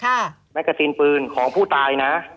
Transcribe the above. คือผมตั้งที่กระบอกเป็นยิงปืนของผู้ตายนะ